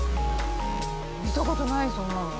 見たことないそんなの。